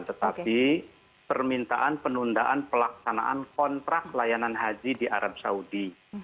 tetapi permintaan penundaan pelaksanaan kontrak layanan haji di arab saudi